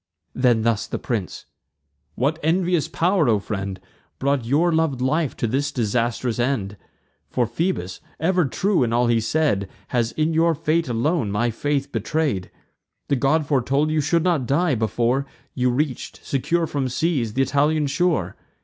Then thus the prince: "What envious pow'r, O friend, Brought your lov'd life to this disastrous end? For Phoebus, ever true in all he said, Has in your fate alone my faith betray'd. The god foretold you should not die, before You reach'd, secure from seas, th' Italian shore.